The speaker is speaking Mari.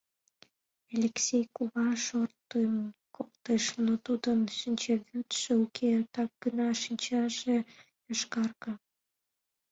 Элексей кува шортын колтыш, но тудын шинчавӱдшӧ уке, так гына шинчаже йошкарга.